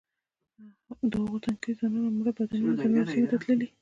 د هغو تنکیو ځوانانو مړه بدنونه د نورو سیمو ته تللي.